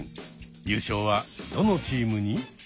優勝はどのチームに？